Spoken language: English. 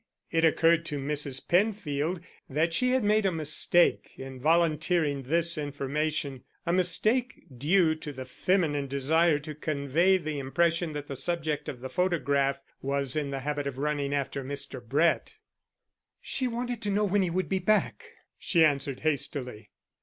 It occurred to Mrs. Penfield that she had made a mistake in volunteering this information a mistake due to the feminine desire to convey the impression that the subject of the photograph was in the habit of running after Mr. Brett. "She wanted to know when he would be back," she answered hastily.